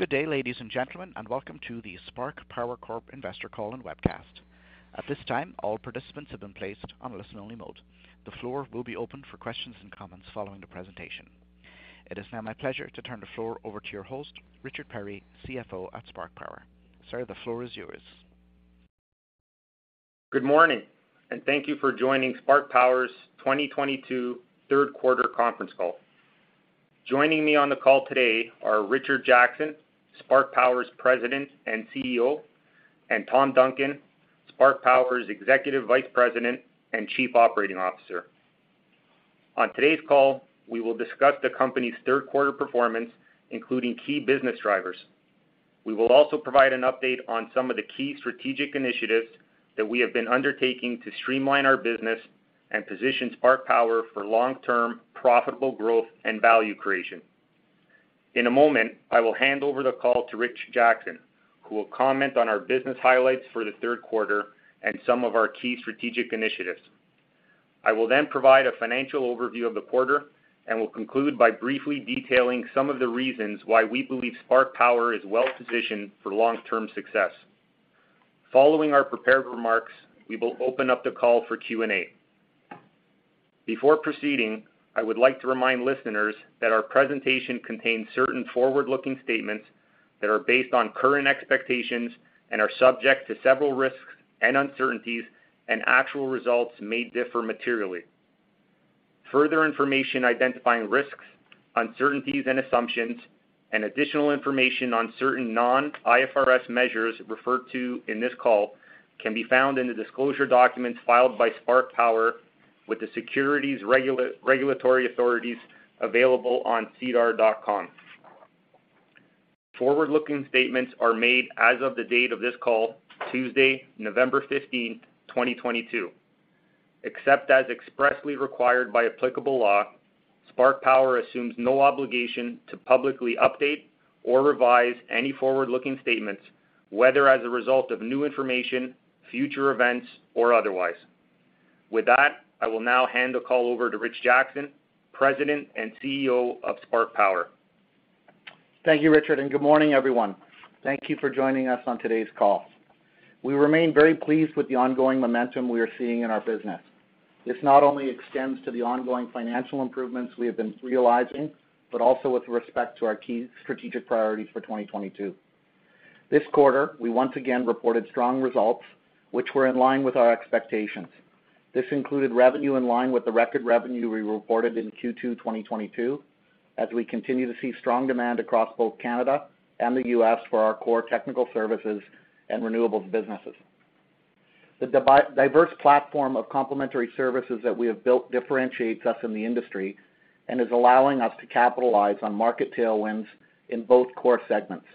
Good day, ladies and gentlemen, and welcome to the Spark Power Corp investor call and webcast. At this time, all participants have been placed on listen-only mode. The floor will be open for questions and comments following the presentation. It is now my pleasure to turn the floor over to your host, Richard Perri, CFO at Spark Power. Sir, the floor is yours. Good morning, and thank you for joining Spark Power's 2022 third quarter conference call. Joining me on the call today are Richard Jackson, Spark Power's President and CEO, and Tom Duncan, Spark Power's Executive Vice President and Chief Operating Officer. On today's call, we will discuss the company's third quarter performance, including key business drivers. We will also provide an update on some of the key strategic initiatives that we have been undertaking to streamline our business and position Spark Power for long-term profitable growth and value creation. In a moment, I will hand over the call to Rich Jackson, who will comment on our business highlights for the third quarter and some of our key strategic initiatives. I will then provide a financial overview of the quarter and will conclude by briefly detailing some of the reasons why we believe Spark Power is well-positioned for long-term success. Following our prepared remarks, we will open up the call for Q&A. Before proceeding, I would like to remind listeners that our presentation contains certain forward-looking statements that are based on current expectations and are subject to several risks and uncertainties, and actual results may differ materially. Further information identifying risks, uncertainties and assumptions, and additional information on certain non-IFRS measures referred to in this call can be found in the disclosure documents filed by Spark Power with the securities regulatory authorities available on sedar.com. Forward-looking statements are made as of the date of this call, Tuesday, November 15th, 2022. Except as expressly required by applicable law, Spark Power assumes no obligation to publicly update or revise any forward-looking statements, whether as a result of new information, future events, or otherwise. With that, I will now hand the call over to Rich Jackson, President and CEO of Spark Power. Thank you, Richard, and good morning, everyone. Thank you for joining us on today's call. We remain very pleased with the ongoing momentum we are seeing in our business. This not only extends to the ongoing financial improvements we have been realizing, but also with respect to our key strategic priorities for 2022. This quarter, we once again reported strong results, which were in line with our expectations. This included revenue in line with the record revenue we reported in Q2 2022, as we continue to see strong demand across both Canada and the U.S. for our core technical services and renewables businesses. The diverse platform of complementary services that we have built differentiates us in the industry and is allowing us to capitalize on market tailwinds in both core segments.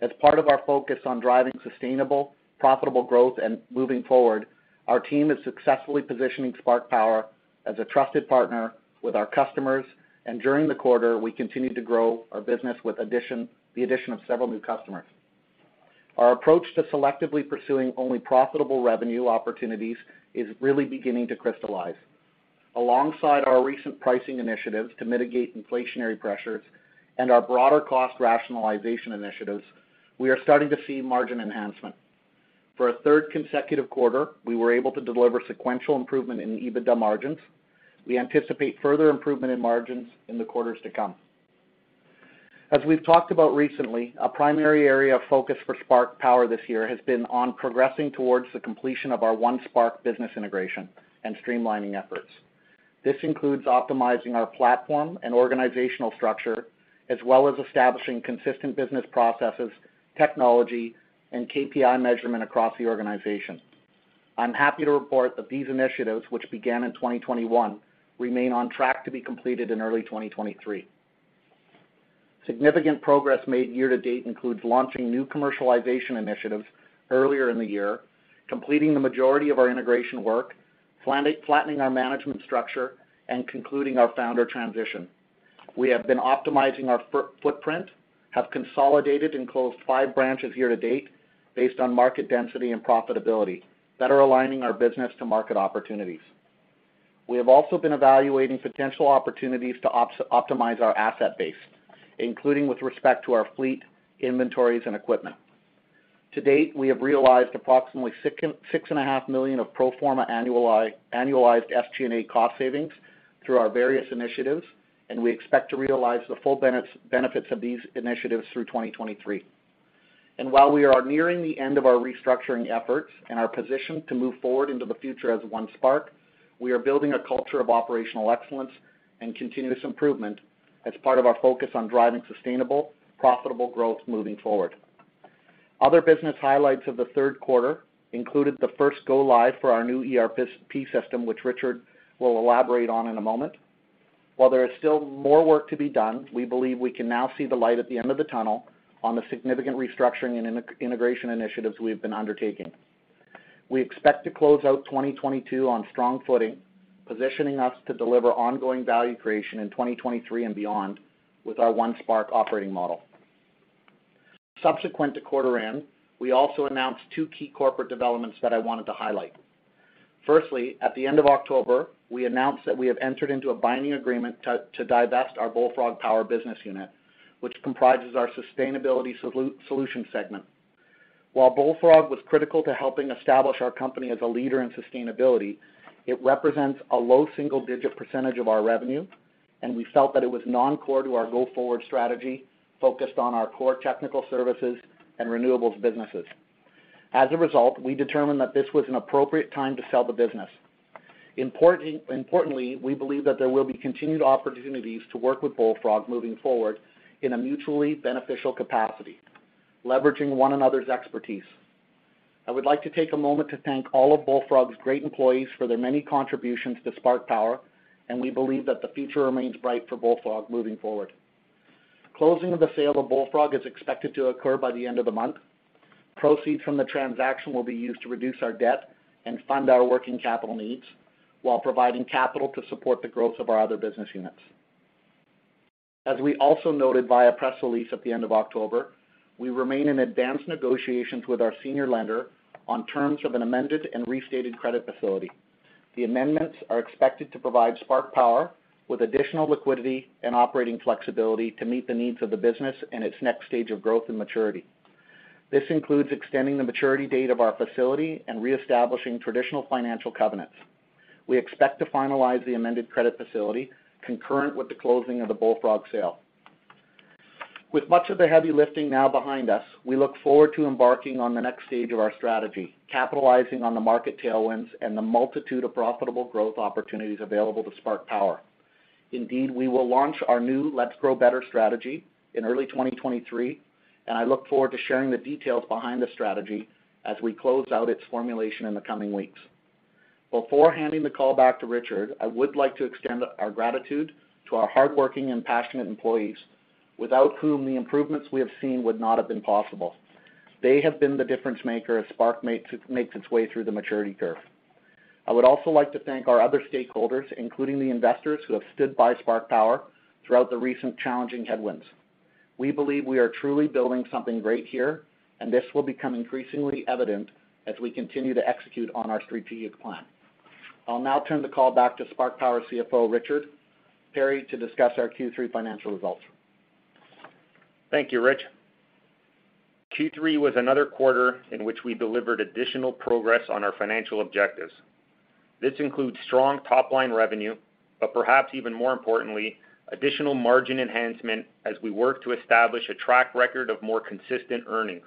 As part of our focus on driving sustainable, profitable growth and moving forward, our team is successfully positioning Spark Power as a trusted partner with our customers. During the quarter, we continued to grow our business with the addition of several new customers. Our approach to selectively pursuing only profitable revenue opportunities is really beginning to crystallize. Alongside our recent pricing initiatives to mitigate inflationary pressures and our broader cost rationalization initiatives, we are starting to see margin enhancement. For a third consecutive quarter, we were able to deliver sequential improvement in EBITDA margins. We anticipate further improvement in margins in the quarters to come. As we've talked about recently, our primary area of focus for Spark Power this year has been on progressing towards the completion of our One Spark business integration and streamlining efforts. This includes optimizing our platform and organizational structure, as well as establishing consistent business processes, technology, and KPI measurement across the organization. I'm happy to report that these initiatives, which began in 2021, remain on track to be completed in early 2023. Significant progress made year to date includes launching new commercialization initiatives earlier in the year, completing the majority of our integration work, flattening our management structure, and concluding our founder transition. We have been optimizing our footprint, have consolidated and closed five branches year to date based on market density and profitability, better aligning our business to market opportunities. We have also been evaluating potential opportunities to optimize our asset base, including with respect to our fleet, inventories, and equipment. To date, we have realized approximately $6.5 million of pro forma annualized SG&A cost savings through our various initiatives, and we expect to realize the full benefits of these initiatives through 2023. While we are nearing the end of our restructuring efforts and are positioned to move forward into the future as One Spark, we are building a culture of operational excellence and continuous improvement as part of our focus on driving sustainable, profitable growth moving forward. Other business highlights of the third quarter included the first go live for our new ERP system, which Richard will elaborate on in a moment. While there is still more work to be done, we believe we can now see the light at the end of the tunnel on the significant restructuring and integration initiatives we've been undertaking. We expect to close out 2022 on strong footing, positioning us to deliver ongoing value creation in 2023 and beyond with our One Spark operating model. Subsequent to quarter end, we also announced two key corporate developments that I wanted to highlight. Firstly, at the end of October, we announced that we have entered into a binding agreement to divest our Bullfrog Power business unit, which comprises our sustainability solution segment. While Bullfrog was critical to helping establish our company as a leader in sustainability, it represents a low single-digit percentage of our revenue, and we felt that it was non-core to our go-forward strategy, focused on our core technical services and renewables businesses. As a result, we determined that this was an appropriate time to sell the business. Importantly, we believe that there will be continued opportunities to work with Bullfrog moving forward in a mutually beneficial capacity, leveraging one another's expertise. I would like to take a moment to thank all of Bullfrog's great employees for their many contributions to Spark Power, and we believe that the future remains bright for Bullfrog moving forward. Closing of the sale of Bullfrog is expected to occur by the end of the month. Proceeds from the transaction will be used to reduce our debt and fund our working capital needs while providing capital to support the growth of our other business units. As we also noted via press release at the end of October, we remain in advanced negotiations with our senior lender on terms of an amended and restated credit facility. The amendments are expected to provide Spark Power with additional liquidity and operating flexibility to meet the needs of the business in its next stage of growth and maturity. This includes extending the maturity date of our facility and reestablishing traditional financial covenants. We expect to finalize the amended credit facility concurrent with the closing of the Bullfrog Power sale. With much of the heavy lifting now behind us, we look forward to embarking on the next stage of our strategy, capitalizing on the market tailwinds and the multitude of profitable growth opportunities available to Spark Power. Indeed, we will launch our new Let's Grow Better strategy in early 2023, and I look forward to sharing the details behind the strategy as we close out its formulation in the coming weeks. Before handing the call back to Richard, I would like to extend our gratitude to our hardworking and passionate employees, without whom the improvements we have seen would not have been possible. They have been the difference maker as Spark Power makes its way through the maturity curve. I would also like to thank our other stakeholders, including the investors, who have stood by Spark Power throughout the recent challenging headwinds. We believe we are truly building something great here, and this will become increasingly evident as we continue to execute on our strategic plan. I'll now turn the call back to Spark Power CFO, Richard Perri, to discuss our Q3 financial results. Thank you, Rich. Q3 was another quarter in which we delivered additional progress on our financial objectives. This includes strong top-line revenue, but perhaps even more importantly, additional margin enhancement as we work to establish a track record of more consistent earnings.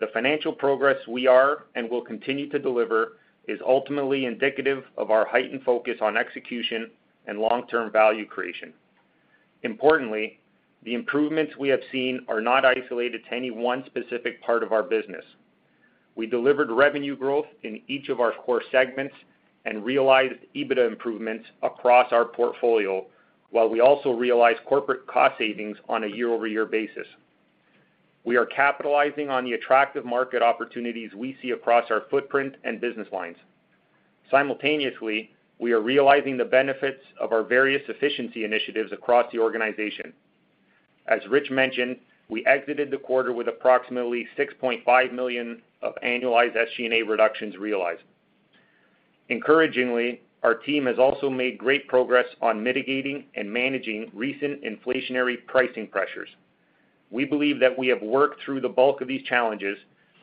The financial progress we are and will continue to deliver is ultimately indicative of our heightened focus on execution and long-term value creation. Importantly, the improvements we have seen are not isolated to any one specific part of our business. We delivered revenue growth in each of our core segments and realized EBITDA improvements across our portfolio, while we also realized corporate cost savings on a year-over-year basis. We are capitalizing on the attractive market opportunities we see across our footprint and business lines. Simultaneously, we are realizing the benefits of our various efficiency initiatives across the organization. As Rich mentioned, we exited the quarter with approximately $6.5 million of annualized SG&A reductions realized. Encouragingly, our team has also made great progress on mitigating and managing recent inflationary pricing pressures. We believe that we have worked through the bulk of these challenges,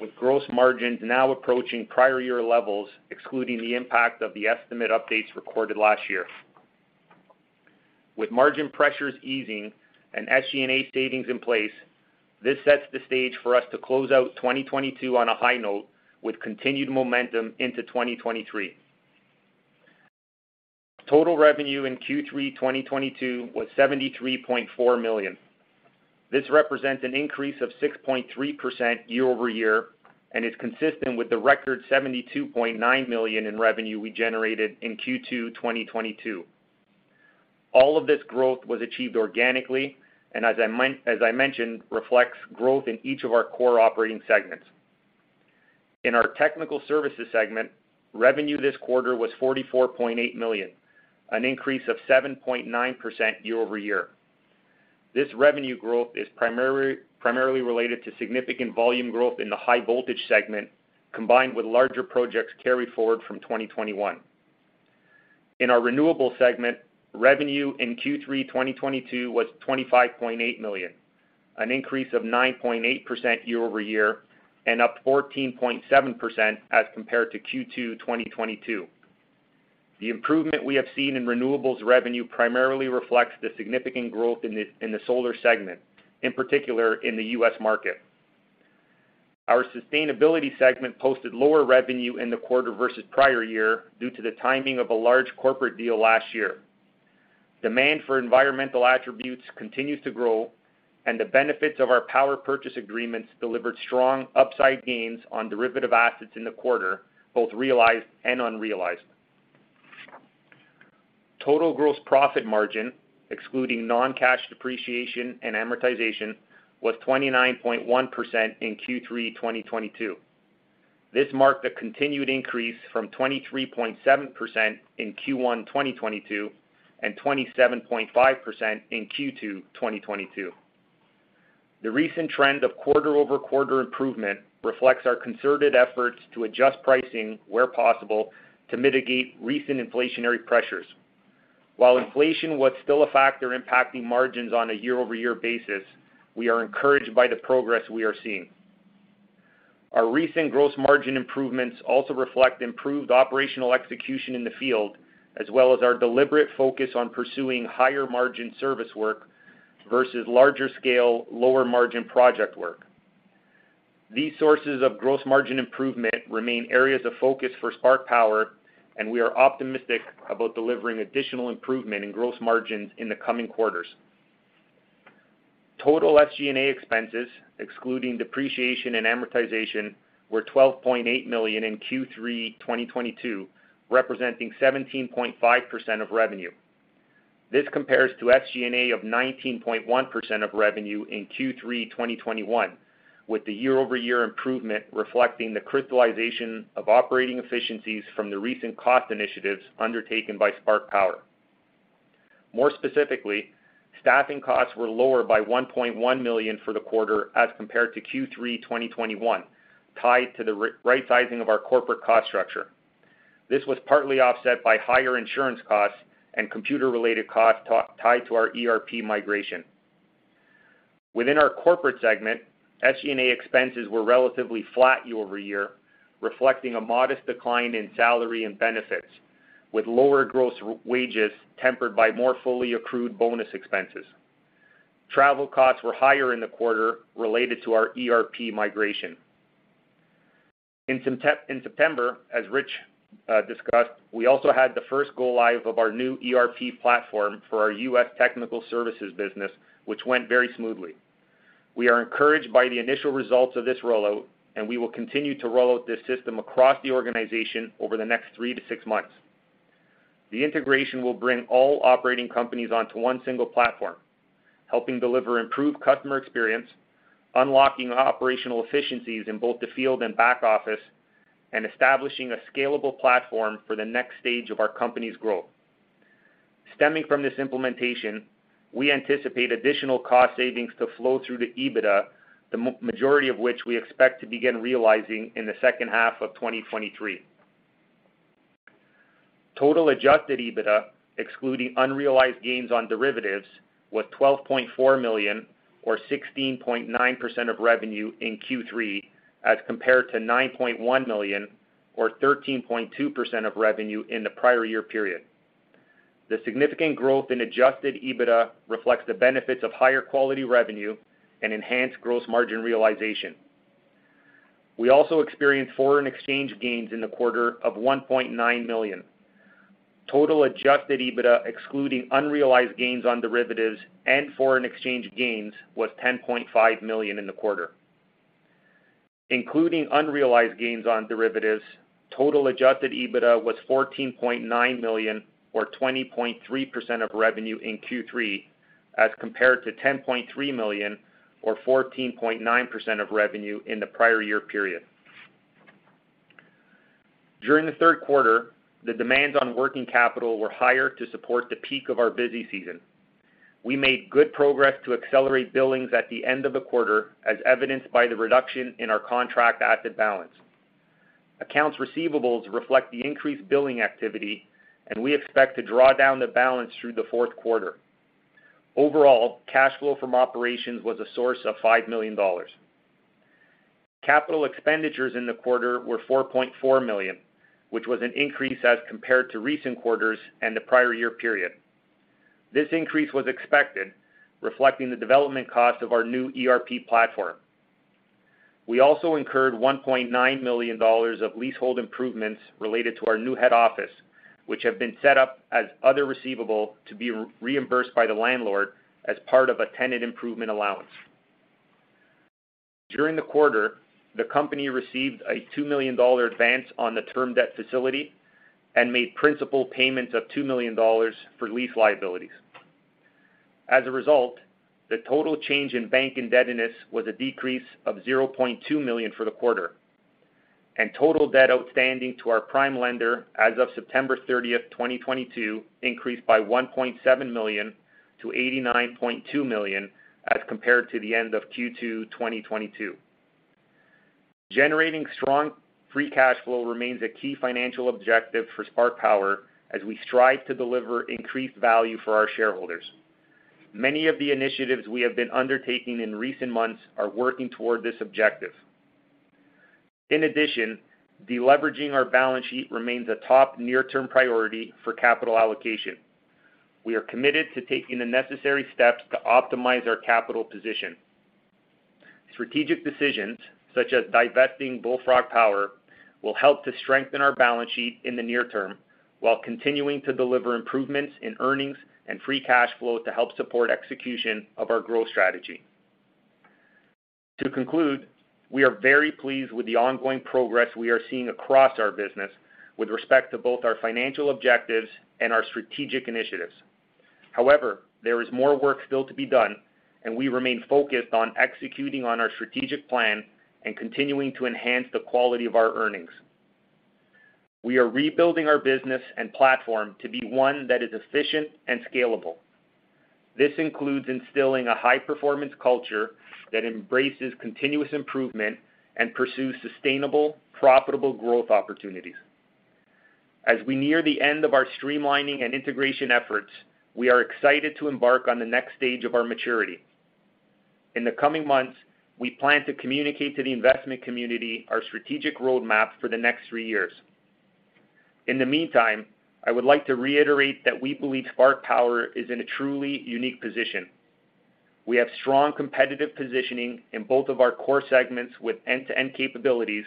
with gross margins now approaching prior year levels, excluding the impact of the estimate updates recorded last year. With margin pressures easing and SG&A savings in place, this sets the stage for us to close out 2022 on a high note with continued momentum into 2023. Total revenue in Q3 2022 was $73.4 million. This represents an increase of 6.3% year-over-year and is consistent with the record $72.9 million in revenue we generated in Q2 2022. All of this growth was achieved organically and, as I mentioned, reflects growth in each of our core operating segments. In our technical services segment, revenue this quarter was $44.8 million, an increase of 7.9% year-over-year. This revenue growth is primarily related to significant volume growth in the high voltage segment, combined with larger projects carried forward from 2021. In our renewables segment, revenue in Q3 2022 was $25.8 million, an increase of 9.8% year-over-year and up 14.7% as compared to Q2 2022. The improvement we have seen in renewables revenue primarily reflects the significant growth in the solar segment, in particular in the U.S. market. Our sustainability segment posted lower revenue in the quarter versus prior year due to the timing of a large corporate deal last year. Demand for environmental attributes continues to grow, and the benefits of our power purchase agreements delivered strong upside gains on derivative assets in the quarter, both realized and unrealized. Total gross profit margin, excluding non-cash depreciation and amortization, was 29.1% in Q3 2022. This marked a continued increase from 23.7% in Q1 2022 and 27.5% in Q2 2022. The recent trend of quarter-over-quarter improvement reflects our concerted efforts to adjust pricing where possible to mitigate recent inflationary pressures. While inflation was still a factor impacting margins on a year-over-year basis, we are encouraged by the progress we are seeing. Our recent gross margin improvements also reflect improved operational execution in the field, as well as our deliberate focus on pursuing higher margin service work versus larger scale, lower margin project work. These sources of gross margin improvement remain areas of focus for Spark Power, and we are optimistic about delivering additional improvement in gross margins in the coming quarters. Total SG&A expenses, excluding depreciation and amortization, were $12.8 million in Q3 2022, representing 17.5% of revenue. This compares to SG&A of 19.1% of revenue in Q3 2021, with the year-over-year improvement reflecting the crystallization of operating efficiencies from the recent cost initiatives undertaken by Spark Power. More specifically, staffing costs were lower by $1.1 million for the quarter as compared to Q3 2021, tied to the right sizing of our corporate cost structure. This was partly offset by higher insurance costs and computer-related costs tied to our ERP migration. Within our corporate segment, SG&A expenses were relatively flat year-over-year, reflecting a modest decline in salary and benefits, with lower gross wages tempered by more fully accrued bonus expenses. Travel costs were higher in the quarter related to our ERP migration. In September, as Rich discussed, we also had the first go live of our new ERP platform for our U.S. technical services business, which went very smoothly. We are encouraged by the initial results of this rollout, and we will continue to roll out this system across the organization over the next three to six months. The integration will bring all operating companies onto one single platform, helping deliver improved customer experience, unlocking operational efficiencies in both the field and back office, and establishing a scalable platform for the next stage of our company's growth. Stemming from this implementation, we anticipate additional cost savings to flow through to EBITDA, the majority of which we expect to begin realizing in the second half of 2023. Total adjusted EBITDA, excluding unrealized gains on derivatives, was $12.4 million or 16.9% of revenue in Q3, as compared to $9.1 million or 13.2% of revenue in the prior year period. The significant growth in adjusted EBITDA reflects the benefits of higher quality revenue and enhanced gross margin realization. We also experienced foreign exchange gains in the quarter of $1.9 million. Total adjusted EBITDA, excluding unrealized gains on derivatives and foreign exchange gains, was $10.5 million in the quarter. Including unrealized gains on derivatives, total adjusted EBITDA was $14.9 million or 20.3% of revenue in Q3, as compared to $10.3 million or 14.9% of revenue in the prior year period. During the third quarter, the demands on working capital were higher to support the peak of our busy season. We made good progress to accelerate billings at the end of the quarter, as evidenced by the reduction in our contract asset balance. Accounts receivable reflect the increased billing activity, and we expect to draw down the balance through the fourth quarter. Overall, cash flow from operations was a source of $5 million. Capital expenditures in the quarter were $4.4 million, which was an increase as compared to recent quarters and the prior year period. This increase was expected, reflecting the development cost of our new ERP platform. We also incurred $1.9 million of leasehold improvements related to our new head office, which have been set up as other receivable to be reimbursed by the landlord as part of a tenant improvement allowance. During the quarter, the company received a $2 million advance on the term debt facility and made principal payments of $2 million for lease liabilities. As a result, the total change in bank indebtedness was a decrease of $0.2 million for the quarter, and total debt outstanding to our prime lender as of September 30th, 2022, increased by $1.7 million to $89.2 million, as compared to the end of Q2 2022. Generating strong free cash flow remains a key financial objective for Spark Power as we strive to deliver increased value for our shareholders. Many of the initiatives we have been undertaking in recent months are working toward this objective. In addition, deleveraging our balance sheet remains a top near-term priority for capital allocation. We are committed to taking the necessary steps to optimize our capital position. Strategic decisions, such as divesting Bullfrog Power, will help to strengthen our balance sheet in the near term while continuing to deliver improvements in earnings and free cash flow to help support execution of our growth strategy. To conclude, we are very pleased with the ongoing progress we are seeing across our business with respect to both our financial objectives and our strategic initiatives. However, there is more work still to be done and we remain focused on executing on our strategic plan and continuing to enhance the quality of our earnings. We are rebuilding our business and platform to be one that is efficient and scalable. This includes instilling a high-performance culture that embraces continuous improvement and pursues sustainable, profitable growth opportunities. As we near the end of our streamlining and integration efforts, we are excited to embark on the next stage of our maturity. In the coming months, we plan to communicate to the investment community our strategic roadmap for the next three years. In the meantime, I would like to reiterate that we believe Spark Power is in a truly unique position. We have strong competitive positioning in both of our core segments with end-to-end capabilities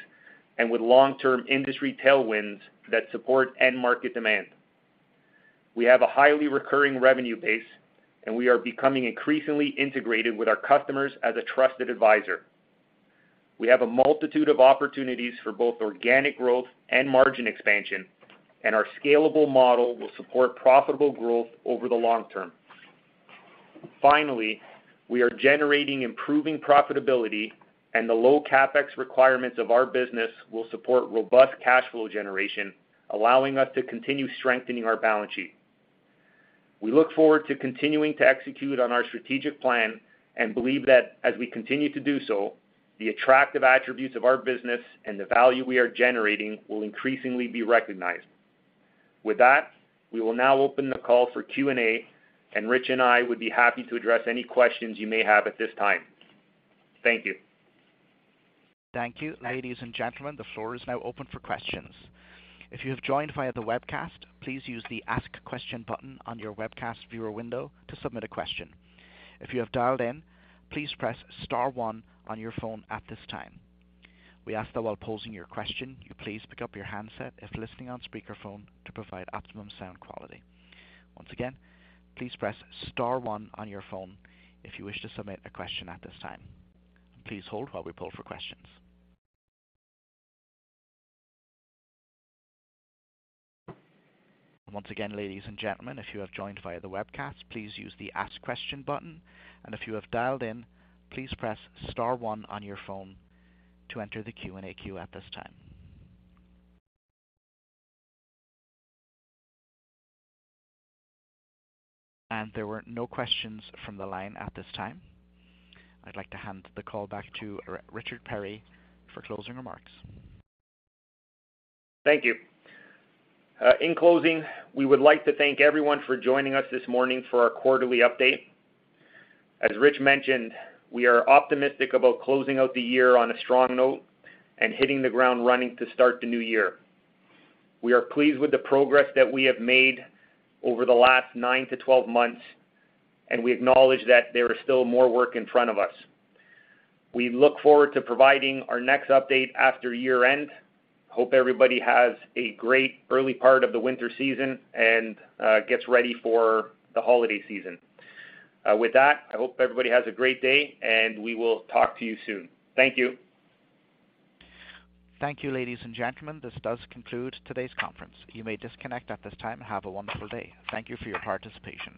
and with long-term industry tailwinds that support end market demand. We have a highly recurring revenue base, and we are becoming increasingly integrated with our customers as a trusted advisor. We have a multitude of opportunities for both organic growth and margin expansion, and our scalable model will support profitable growth over the long term. Finally, we are generating improving profitability and the low CapEx requirements of our business will support robust cash flow generation, allowing us to continue strengthening our balance sheet. We look forward to continuing to execute on our strategic plan and believe that as we continue to do so, the attractive attributes of our business and the value we are generating will increasingly be recognized. With that, we will now open the call for Q&A, and Rich and I would be happy to address any questions you may have at this time. Thank you. Thank you. Ladies and gentlemen, the floor is now open for questions. If you have joined via the webcast, please use the Ask Question button on your webcast viewer window to submit a question. If you have dialed in, please press star one on your phone at this time. We ask that while posing your question, you please pick up your handset if listening on speakerphone to provide optimum sound quality. Once again, please press star one on your phone if you wish to submit a question at this time. Please hold while we poll for questions. Once again, ladies and gentlemen, if you have joined via the webcast, please use the Ask Question button. If you have dialed in, please press star one on your phone to enter the Q&A queue at this time. There were no questions from the line at this time. I'd like to hand the call back to Richard Perri for closing remarks. Thank you. In closing, we would like to thank everyone for joining us this morning for our quarterly update. As Rich mentioned, we are optimistic about closing out the year on a strong note and hitting the ground running to start the new year. We are pleased with the progress that we have made over the last nine to 12 months, and we acknowledge that there is still more work in front of us. We look forward to providing our next update after year-end. Hope everybody has a great early part of the winter season and gets ready for the holiday season. With that, I hope everybody has a great day, and we will talk to you soon. Thank you. Thank you, ladies and gentlemen. This does conclude today's conference. You may disconnect at this time. Have a wonderful day. Thank you for your participation.